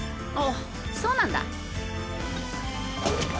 あっそうなんだ。